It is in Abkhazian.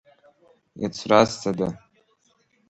Иацразҵада?